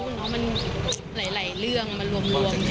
มีหลายเรื่องมารวม